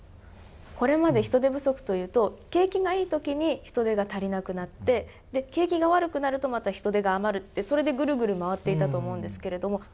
これまで人手不足というと景気がいいときに人手が足りなくなって景気が悪くなるとまた人手が余るってそれでぐるぐる回っていたと思うんですけれども。